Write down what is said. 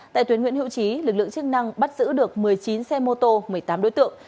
tại tuyến nguyễn hữu trí lực lượng chức năng bắt giữ được một mươi chín xe mô tô một mươi tám đối tượng